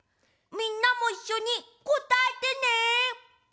みんなもいっしょにこたえてね！